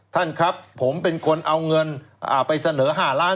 ท่านครับผมเป็นคนเอาเงินไปเสนอ๕ล้าน